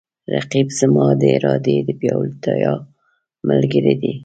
رقیب زما د ارادې د پیاوړتیا ملګری دی